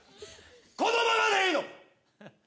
このままでいいのか！